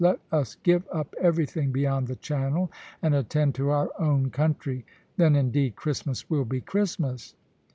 Let us give up everything beyond the Channel, and attend to our own country. Then, indeed, Christmas will be Christmas."